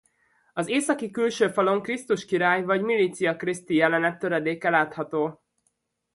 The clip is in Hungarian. Az északi külső falon Krisztus király vagy milicia Christi jelenet töredéke látható.